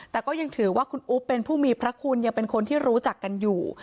แต่ก็ยังถือว่าคุณอุ๊บเป็นผู้มีพระคุณยังเป็นคนที่รู้จักกันอยู่